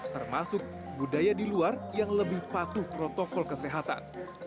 termasuk budaya di luar yang lebih patuh protokol kesehatan